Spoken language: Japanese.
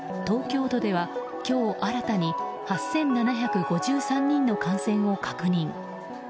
東京都では今日新たに８７５３人の感染を確認。